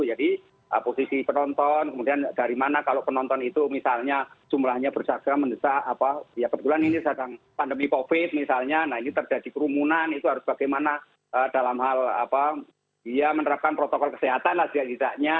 jadi posisi penonton kemudian dari mana kalau penonton itu misalnya jumlahnya berjaga jaga kebetulan ini saat pandemi covid misalnya nah ini terjadi kerumunan itu harus bagaimana dalam hal menerapkan protokol kesehatan